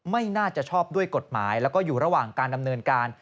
ไม่น่าจะชอบด้วยกฎหมายแล้วก็อยู่ระหว่างการดำเนินการ